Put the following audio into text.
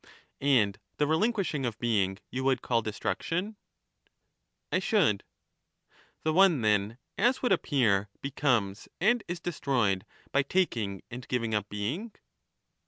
And the relinquishing of being you would call destruction ? How does Ishould> 1V^« The one then, as would appear, becomes and is destroyed by taking and giving up being.